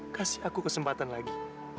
kasih aku kesempatan lagi